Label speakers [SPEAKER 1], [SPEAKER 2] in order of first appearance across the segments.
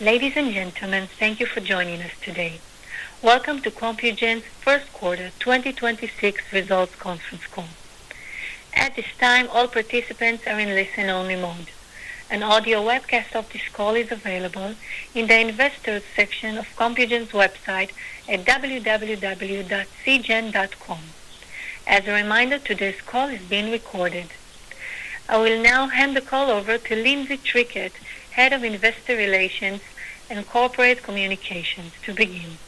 [SPEAKER 1] Ladies and gentlemen, thank you for joining us today. Welcome to Compugen's first quarter 2026 results conference call. At this time, all participants are in listen-only mode. An audio webcast of this call is available in the Investors section of Compugen's website at www.cgen.com. As a reminder, today's call is being recorded. I will now hand the call over to Lindsey Trickett, Head of Investor Relations and Corporate Communications to begin.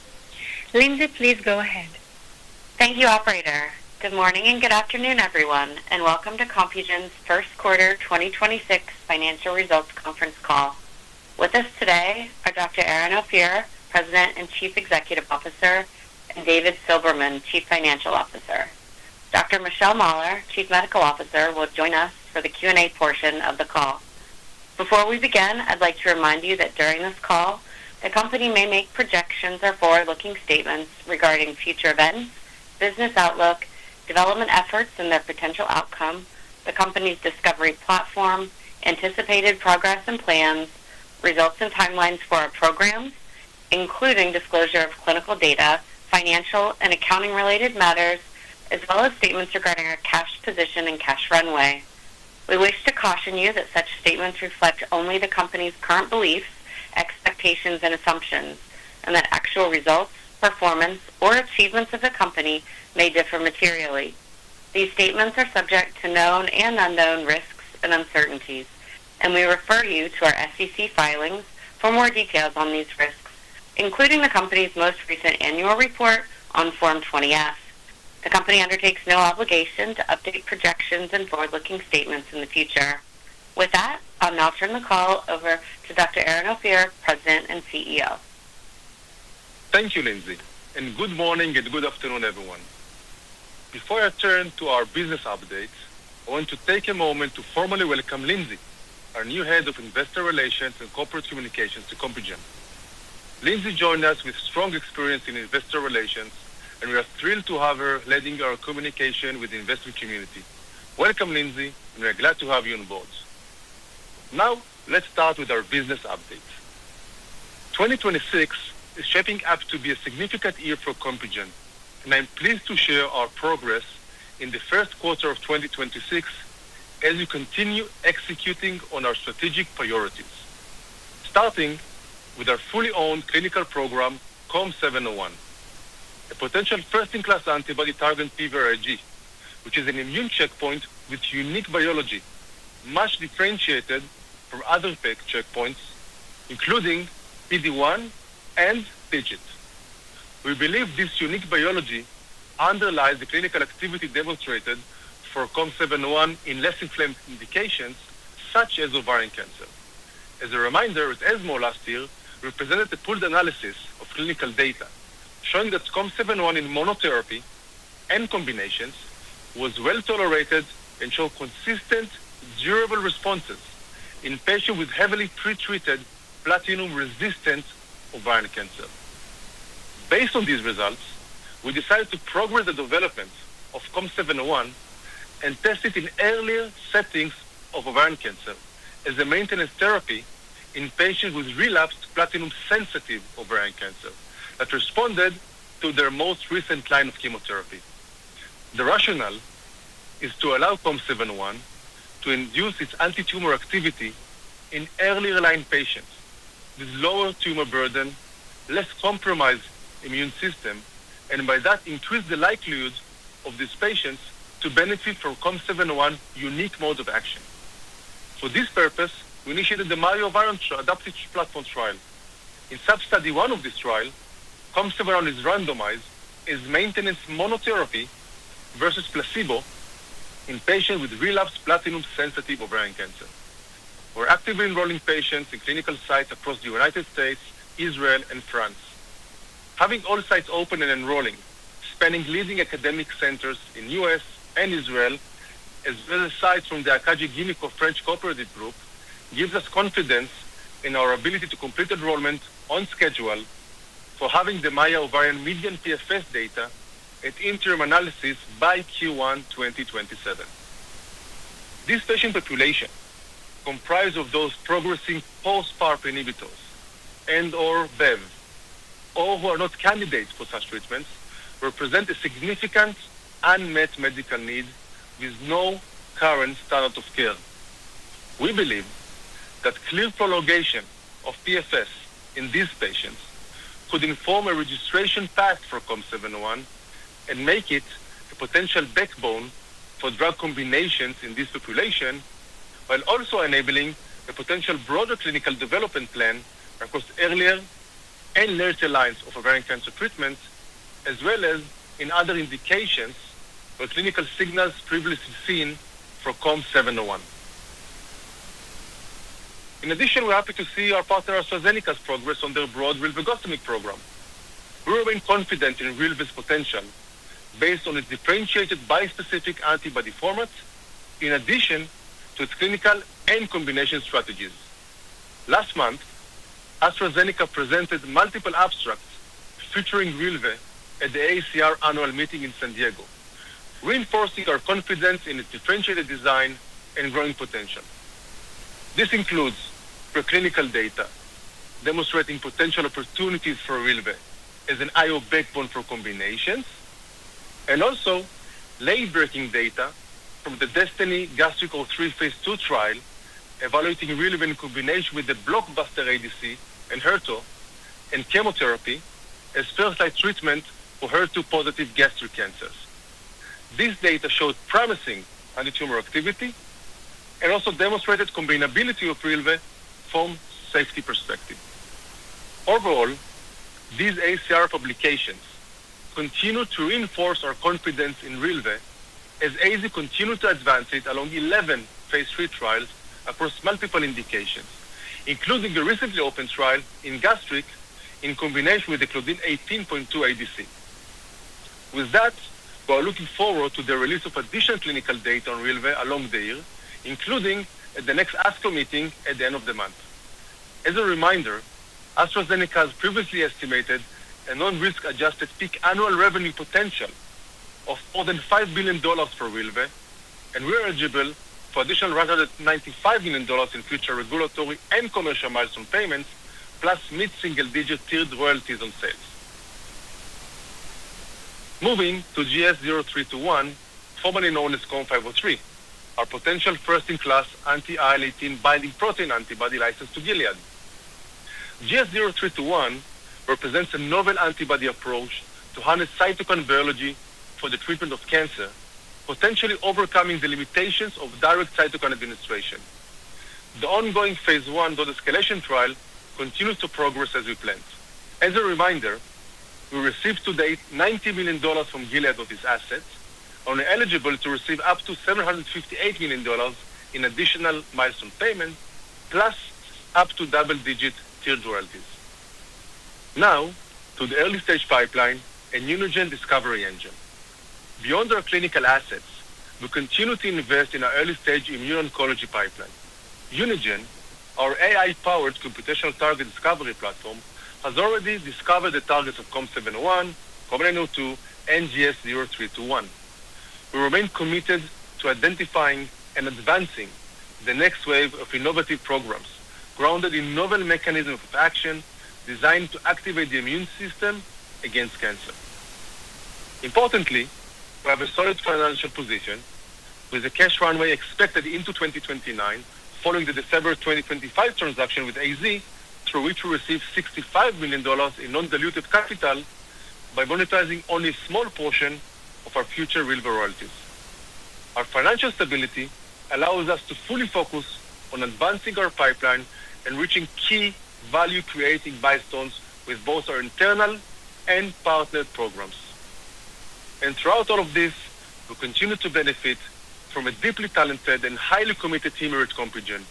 [SPEAKER 1] Lindsey, please go ahead.
[SPEAKER 2] Thank you, operator. Good morning and good afternoon, everyone, welcome to Compugen's first quarter 2026 financial results conference call. With us today are Dr. Eran Ophir, President and Chief Executive Officer, and David Silberman, Chief Financial Officer. Dr. Michelle Mahler, Chief Medical Officer, will join us for the Q&A portion of the call. Before we begin, I'd like to remind you that during this call, the company may make projections or forward-looking statements regarding future events, business outlook, development efforts and their potential outcome, the company's discovery platform, anticipated progress and plans, results and timelines for our programs, including disclosure of clinical data, financial and accounting related matters, as well as statements regarding our cash position and cash runway. We wish to caution you that such statements reflect only the company's current beliefs, expectations, and assumptions, and that actual results, performance, or achievements of the company may differ materially. These statements are subject to known and unknown risks and uncertainties, and we refer you to our SEC filings for more details on these risks, including the company's most recent annual report on Form 20-F. The company undertakes no obligation to update projections and forward-looking statements in the future. With that, I'll now turn the call over to Dr. Eran Ophir, President and CEO.
[SPEAKER 3] Thank you, Lindsey, and good morning and good afternoon, everyone. Before I turn to our business update, I want to take a moment to formally welcome Lindsey, our new Head of Investor Relations and Corporate Communications, to Compugen. Lindsey joined us with strong experience in investor relations, and we are thrilled to have her leading our communication with the investor community. Welcome, Lindsey, and we are glad to have you on board. Now, let's start with our business update. 2026 is shaping up to be a significant year for Compugen, and I'm pleased to share our progress in the first quarter of 2026 as we continue executing on our strategic priorities. Starting with our fully owned clinical program, COM701, a potential first-in-class antibody targeting PVRIG, which is an immune checkpoint with unique biology, much differentiated from other [PIC] checkpoints, including PD-1 and TIGIT. We believe this unique biology underlies the clinical activity demonstrated for COM701 in less inflamed indications such as ovarian cancer. As a reminder, at ESMO last year represented the pooled analysis of clinical data showing that COM701 in monotherapy and combinations was well-tolerated and showed consistent, durable responses in patients with heavily pretreated platinum-resistant ovarian cancer. Based on these results, we decided to progress the development of COM701 and test it in earlier settings of ovarian cancer as a maintenance therapy in patients with relapsed platinum-sensitive ovarian cancer that responded to their most recent line of chemotherapy. The rationale is to allow COM701 to induce its antitumor activity in early line patients with lower tumor burden, less compromised immune system, and by that increase the likelihood of these patients to benefit from COM701 unique mode of action. For this purpose, we initiated the MAIA-ovarian adaptive platform trial. In sub-study I of this trial, COM701 is randomized as maintenance monotherapy versus placebo in patients with relapsed platinum-sensitive ovarian cancer. We are actively enrolling patients in clinical sites across the U.S., Israel, and France. Having all sites open and enrolling, spanning leading academic centers in the U.S. and Israel, as well as sites from the French cooperative group, gives us confidence in our ability to complete enrollment on schedule for having the MAIA-ovarian median PFS data at interim analysis by Q1 2027. This patient population, comprised of those progressing post PARP inhibitors and/or Bev, or who are not candidates for such treatments, represent a significant unmet medical need with no current standard of care. We believe that clear prolongation of PFS in these patients could inform a registration path for COM701 and make it a potential backbone for drug combinations in this population, while also enabling a potential broader clinical development plan across earlier and later lines of ovarian cancer treatments, as well as in other indications where clinical signals previously seen for COM701. We're happy to see our partner AstraZeneca's progress on their broad rilvegostomig program. We remain confident in rilve's potential based on its differentiated bispecific antibody format in addition to its clinical and combination strategies. Last month, AstraZeneca presented multiple abstracts featuring rilve at the AACR annual meeting in San Diego, reinforcing our confidence in its differentiated design and growing potential. This includes preclinical data demonstrating potential opportunities for rilve as an IO backbone for combinations, late-breaking data from the DESTINY-Gastric03 phase II trial evaluating rilve in combination with the blockbuster ADC ENHERTU and chemotherapy as first-line treatment for HER2-positive gastric cancers. This data showed promising antitumor activity and also demonstrated combinability of rilve from safety perspective. These AACR publications continue to reinforce our confidence in rilve as AZ continues to advance it along 11 phase III trials across multiple indications, including the recently opened trial in gastric in combination with the claudin 18.2 ADC. We are looking forward to the release of additional clinical data on rilve along the year, including at the next ASCO meeting at the end of the month. As a reminder, AstraZeneca has previously estimated a non-risk-adjusted peak annual revenue potential of more than $5 billion for rilve. We are eligible for additional $995 million in future regulatory and commercial milestone payments, plus mid-single-digit tiered royalties on sales. Moving to GS-0321, formerly known as COM503, our potential first-in-class anti-IL-18 binding protein antibody licensed to Gilead. GS-0321 represents a novel antibody approach to harness cytokine biology for the treatment of cancer, potentially overcoming the limitations of direct cytokine administration. The ongoing phase I dose-escalation trial continues to progress as we planned. As a reminder, we received to date $90 million from Gilead of this asset and are eligible to receive up to $758 million in additional milestone payments, plus up to double-digit tiered royalties. Now to the early-stage pipeline and Unigen discovery engine. Beyond our clinical assets, we continue to invest in our early-stage immune oncology pipeline. Unigen, our AI-powered computational target discovery platform, has already discovered the targets of COM701, COM902, and GS-0321. We remain committed to identifying and advancing the next wave of innovative programs grounded in novel mechanism of action designed to activate the immune system against cancer. Importantly, we have a solid financial position with a cash runway expected into 2029 following the December 2025 transaction with AZ, through which we received $65 million in non-diluted capital by monetizing only a small portion of our future rilve royalties. Our financial stability allows us to fully focus on advancing our pipeline and reaching key value-creating milestones with both our internal and partnered programs. Throughout all of this, we continue to benefit from a deeply talented and highly committed team here at Compugen.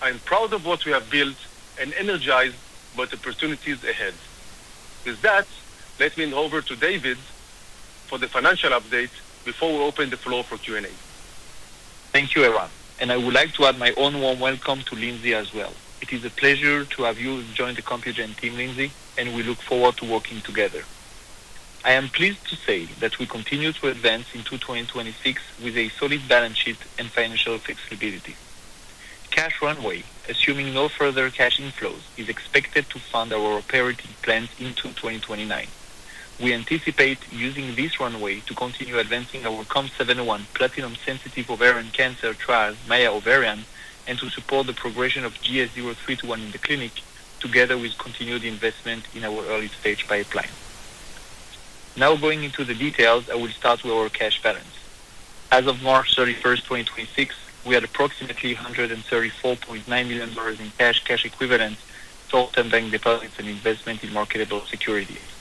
[SPEAKER 3] I am proud of what we have built and energized by the opportunities ahead. With that, let me hand over to David for the financial update before we open the floor for Q&A.
[SPEAKER 4] Thank you, Eran, and I would like to add my own warm welcome to Lindsey as well. It is a pleasure to have you join the Compugen team, Lindsey, and we look forward to working together. I am pleased to say that we continue to advance into 2026 with a solid balance sheet and financial flexibility. Cash runway, assuming no further cash inflows, is expected to fund our operating plans into 2029. We anticipate using this runway to continue advancing our COM701 platinum-sensitive ovarian cancer trial, MAIA-ovarian, and to support the progression of GS-0321 in the clinic, together with continued investment in our early-stage pipeline. Now going into the details, I will start with our cash balance. As of March 31st, 2026, we had approximately $134.9 million in cash equivalents, short-term bank deposits, and investment in marketable securities.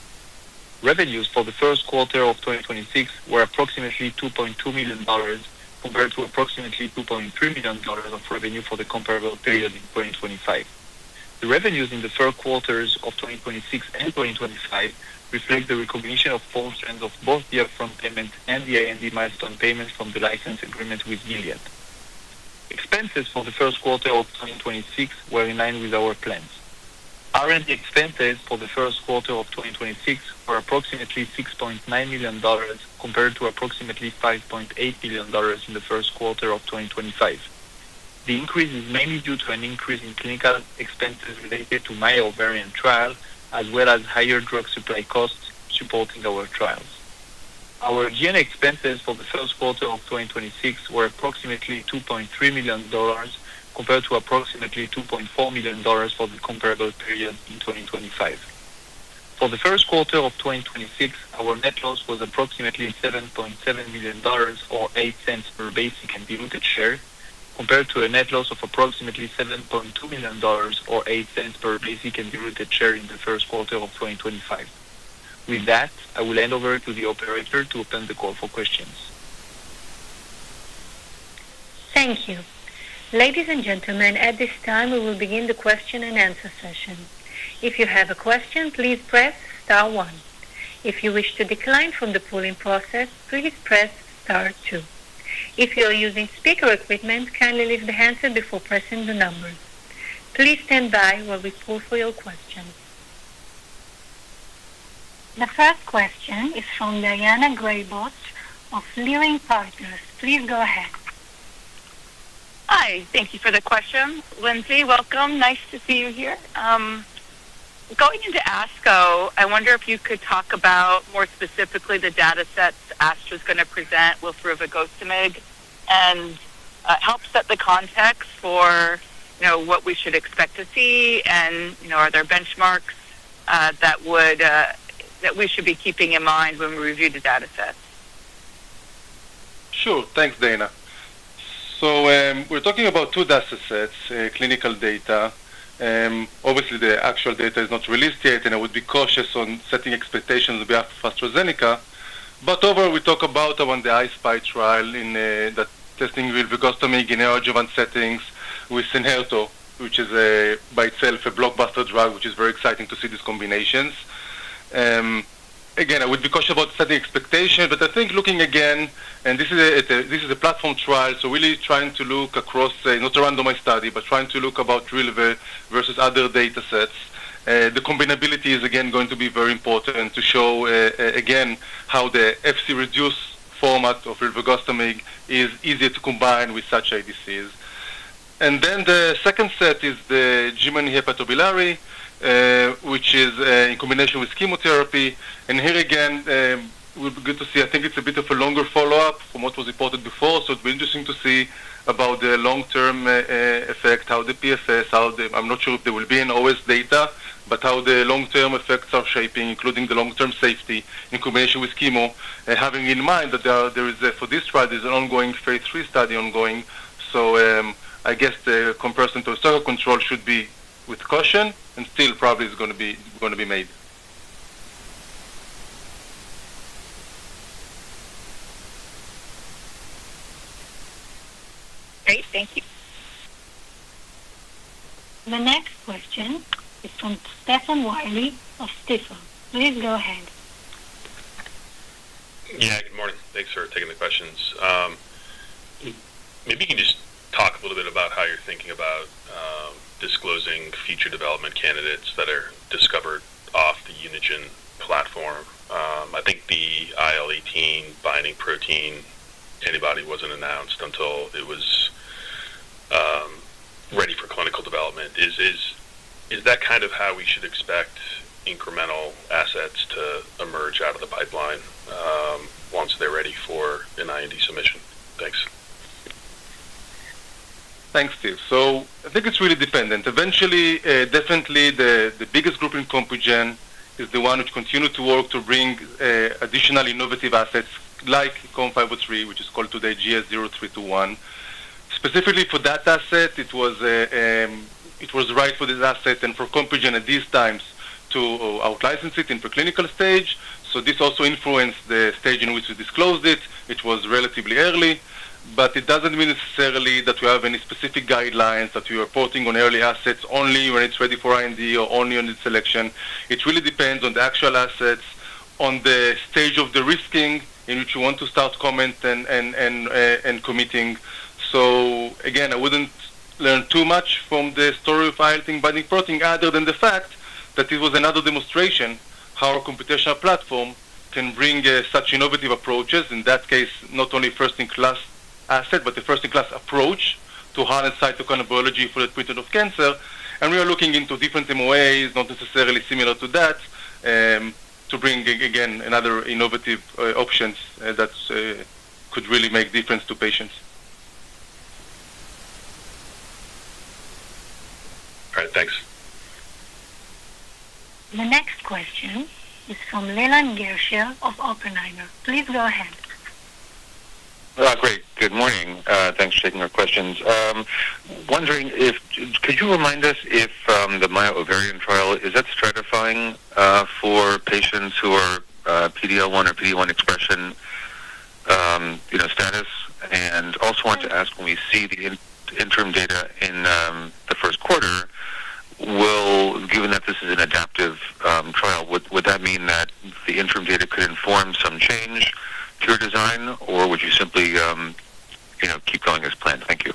[SPEAKER 4] Revenues for Q1 2026 were approximately $2.2 million compared to approximately $2.3 million of revenue for the comparable period in 2025. The revenues in Q1 2026 and 2025 reflect the recognition of fulfillment of both the upfront payment and the R&D milestone payment from the license agreement with Gilead. Expenses for Q1 2026 were in line with our plans. R&D expenses for Q1 2026 were approximately $6.9 million compared to approximately $5.8 million in Q1 2025. The increase is mainly due to an increase in clinical expenses related to MAIA-ovarian trial, as well as higher drug supply costs supporting our trials. Our G&A expenses for the first quarter of 2026 were approximately $2.3 million compared to approximately $2.4 million for the comparable period in 2025. For the first quarter of 2026, our net loss was approximately $7.7 million or $0.08 per basic and diluted share, compared to a net loss of approximately $7.2 million or $0.08 per basic and diluted share in the first quarter of 2025. With that, I will hand over to the operator to open the call for questions.
[SPEAKER 1] Thank you. Ladies and gentlemen, at this time, we will begin the question-and-answer session. If you have a question, please press star one. If you wish to decline from the polling process, please press star two. If you are using speaker equipment, kindly leave the handset before pressing the numbers. Please stand by while we poll for your questions. The first question is from Daina Graybosch of Leerink Partners. Please go ahead.
[SPEAKER 5] Hi. Thank you for the question. Lindsey, welcome. Nice to see you here. Going into ASCO, I wonder if you could talk about more specifically the datasets AstraZeneca is gonna present with rilvegostomig and help set the context for, you know, what we should expect to see and, you know, are there benchmarks that we should be keeping in mind when we review the datasets?
[SPEAKER 3] Sure. Thanks, Daina. We're talking about two datasets, clinical data. Obviously, the actual data is not released yet, and I would be cautious on setting expectations on behalf of AstraZeneca. Overall, we talk about on the I-SPY trial in the testing rilvegostomig in adjuvant settings with ENHERTU, which is by itself a blockbuster drug, which is very exciting to see these combinations. Again, I would be cautious about setting expectations, but I think looking again, and this is a platform trial, so really trying to look across, not a randomized study, but trying to look about rilve versus other datasets. The combinability is again going to be very important and to show again, how the Fc-reduced format of rilvegostomig is easier to combine with such ADCs. The second set is the German hepatobiliary, which is in combination with chemotherapy. Here again, will be good to see. I think it's a bit of a longer follow-up from what was reported before, so it'll be interesting to see about the long-term effect, how the PFS, how the I'm not sure if there will be an OS data, but how the long-term effects are shaping, including the long-term safety in combination with chemo, having in mind that there is, for this trial, there's an ongoing phase III study ongoing. I guess the comparison to a single control should be with caution and still probably is gonna be made.
[SPEAKER 5] Great. Thank you.
[SPEAKER 1] The next question is from Stephen Willey of Stifel. Please go ahead.
[SPEAKER 6] Yeah, good morning. Thanks for taking the questions. Maybe you can just talk a little bit about how you're thinking about disclosing future development candidates that are discovered off the Unigen platform. I think the IL-18 binding protein antibody wasn't announced until it was ready for clinical development. Is that kind of how we should expect incremental assets to emerge out of the pipeline once they're ready for an IND submission? Thanks.
[SPEAKER 3] Thanks, Steve. I think it's really dependent. Eventually, definitely the biggest group in Compugen is the one which continue to work to bring additional innovative assets like COM503, which is called today GS-0321. Specifically for that asset, it was right for this asset and for Compugen at these times to out-license it in preclinical stage. This also influenced the stage in which we disclosed it, which was relatively early. It doesn't mean necessarily that we have any specific guidelines that we're reporting on early assets only when it's ready for IND or only on its selection. It really depends on the actual assets, on the stage of the risking in which we want to start comment and committing. I wouldn't learn too much from the story of IL-18 binding protein other than the fact that it was another demonstration how our computational platform can bring such innovative approaches, in that case, not only first-in-class asset, but the first-in-class approach to harness cytokine biology for the treatment of cancer. We are looking into different MOAs, not necessarily similar to that, to bring, again, another innovative options that could really make difference to patients.
[SPEAKER 6] All right. Thanks.
[SPEAKER 1] The next question is from Leland Gershell of Oppenheimer. Please go ahead.
[SPEAKER 7] Great. Good morning. Thanks for taking our questions. Could you remind us if the MAIA-ovarian trial, is that stratifying for patients who are PD-L1 or PD-1 expression, you know, status? Also want to ask when we see the interim data in the first quarter. Given that this is an adaptive trial, would that mean that the interim data could inform some change to your design, or would you simply, you know, keep going as planned? Thank you.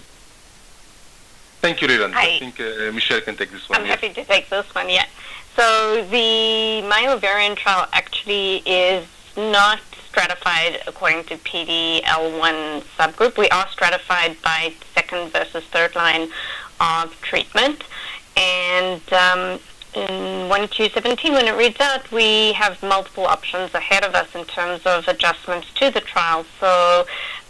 [SPEAKER 3] Thank you, Leland.
[SPEAKER 8] Hi.
[SPEAKER 3] I think, Michelle can take this one.
[SPEAKER 8] I'm happy to take this one. Yeah. The MAIA-ovarian trial actually is not stratified according to PD-L1 subgroup. We are stratified by second versus third line of treatment. In Q1 2027 when it reads out, we have multiple options ahead of us in terms of adjustments to the trial.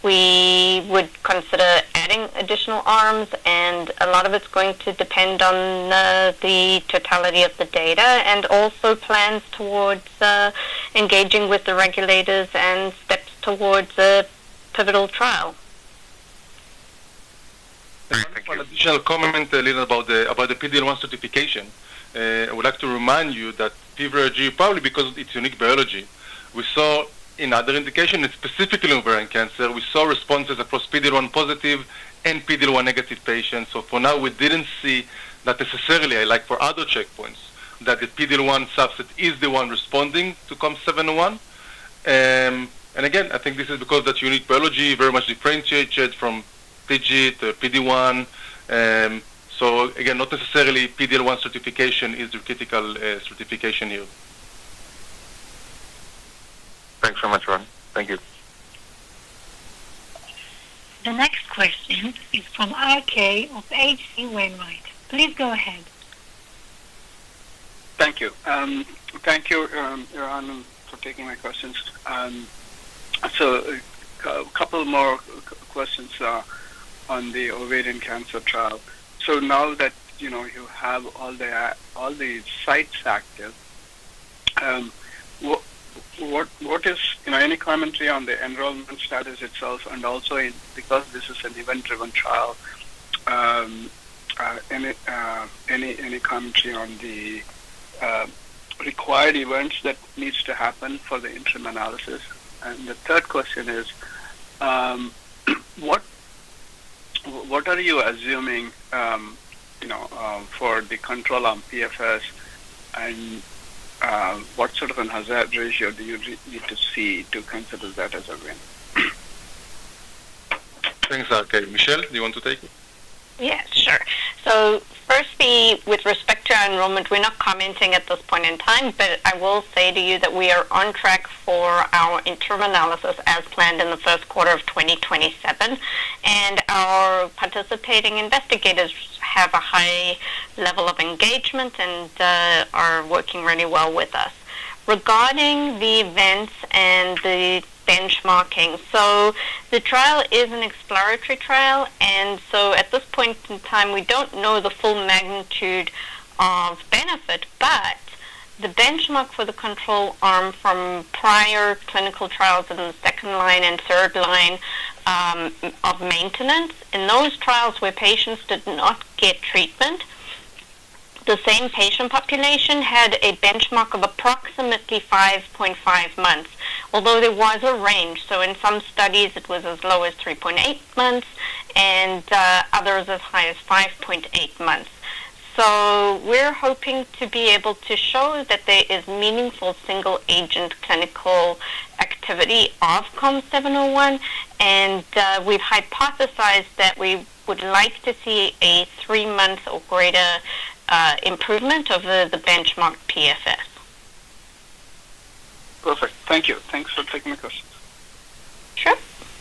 [SPEAKER 8] We would consider adding additional arms, and a lot of it's going to depend on the totality of the data and also plans towards engaging with the regulators and steps towards a pivotal trial.
[SPEAKER 7] Thank you.
[SPEAKER 3] If I may add additional comment, Leland, about the, about the PD-L1 stratification. I would like to remind you that PVRIG, probably because of its unique biology, we saw in other indication, and specifically in ovarian cancer, we saw responses across PD-L1 positive and PD-L1 negative patients. For now, we didn't see that necessarily, like for other checkpoints, that the PD-L1 subset is the one responding to COM701. Again, I think this is because that unique biology very much differentiated from PVRIG to PD-1. Again, not necessarily PD-L1 stratification is the critical stratification here.
[SPEAKER 7] Thanks so much, Eran. Thank you.
[SPEAKER 1] The next question is from R.K. of H.C. Wainwright. Please go ahead.
[SPEAKER 9] Thank you. Thank you, Eran, for taking my questions. A couple more questions on the ovarian cancer trial. Now that, you know, you have all the sites active, what is, you know, any commentary on the enrollment status itself and also because this is an event-driven trial, any commentary on the required events that needs to happen for the interim analysis? The third question is, what are you assuming, you know, for the control on PFS and what sort of an hazard ratio do you need to see to consider that as a win?
[SPEAKER 3] Thanks, R.K. Michelle, do you want to take it?
[SPEAKER 8] Yeah, sure. Firstly, with respect to our enrollment, we're not commenting at this point in time, but I will say to you that we are on track for our interim analysis as planned in Q1 2027. Our participating investigators have a high level of engagement and are working really well with us. Regarding the events and the benchmarking, the trial is an exploratory trial, at this point in time, we don't know the full magnitude of benefit. The benchmark for the control arm from prior clinical trials in the second line and third line of maintenance, in those trials where patients did not get treatment, the same patient population had a benchmark of approximately 5.5 months, although there was a range. In some studies, it was as low as 3.8 months and others as high as 5.8 months. We're hoping to be able to show that there is meaningful single agent clinical activity of COM701, and we've hypothesized that we would like to see a three month or greater improvement of the benchmark PFS.
[SPEAKER 9] Perfect. Thank you. Thanks for taking my questions.
[SPEAKER 8] Sure.